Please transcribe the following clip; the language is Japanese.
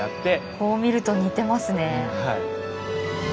こう見ると似てますね。